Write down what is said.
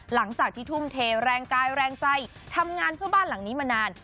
หลังจากที่ทุ่มเทแรงกายแรงใจทำงานเพื่อบ้านหลังนี้มานาน